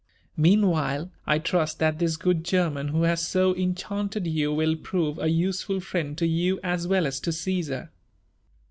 Meanwhile, I trust that this good German who has so enchanted you will prove a useful friend to you as well as to Csesar."